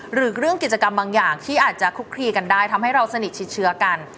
หรือเรื่องกิจกรรมบางอย่างที่อาจจะคุกคลีกันได้ทำให้เราสนิทชิดเชื้อกัน